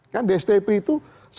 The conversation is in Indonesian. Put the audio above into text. kan di sdp itu